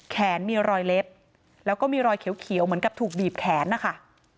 มีรอยเล็บแล้วก็มีรอยเขียวเหมือนกับถูกบีบแขนนะคะ